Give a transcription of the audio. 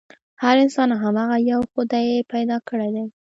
هر انسان هماغه يوه خدای پيدا کړی دی.